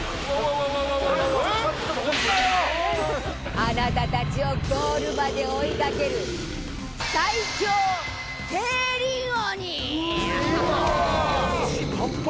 あなたたちをゴールまで追いかける最強競輪鬼！